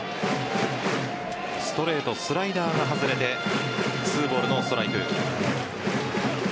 ストレート、スライダーが外れて２ボール、ノーストライク。